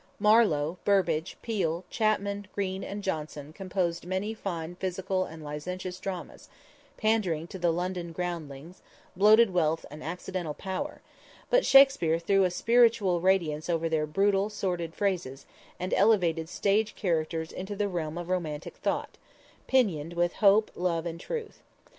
Marlowe, Burbage, Peele, Chapman, Greene and Jonson composed many fine physical and licentious dramas, pandering to the London groundlings, bloated wealth and accidental power; but Shakspere threw a spiritual radiance over their brutal, sordid phrases and elevated stage characters into the realm of romantic thought, pinioned with hope, love and truth.